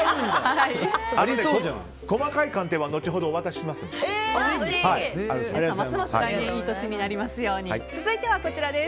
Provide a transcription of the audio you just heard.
細かい鑑定は後ほどお渡しします。